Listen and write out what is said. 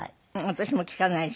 私も聞かないし。